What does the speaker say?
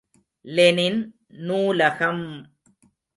Lenin நூலகம் ….